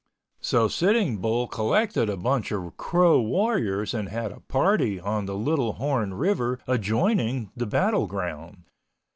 So sitting Bull collected a bunch of Crow warriors and had a party on the Little Horn River adjoining the battle ground.